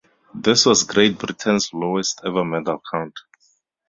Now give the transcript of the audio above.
This was Great Britain's lowest ever medal count.